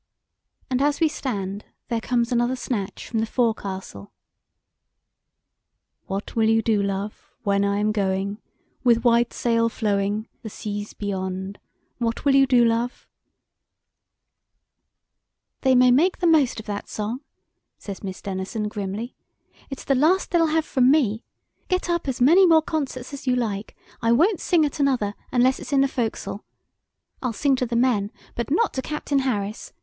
And as we stand there comes another snatch from the forecastle: "What will you do, love, when I am going. With white sail flowing, The seas beyond? What will you do, love " "They may make the most of that song," says Miss Denison grimly; "it's the last they'll have from me. Get up as many more concerts as you like. I won't sing at another unless it's in the fo'c'sle. I'll sing to the men, but not to Captain Harris.